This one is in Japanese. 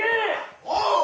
おう！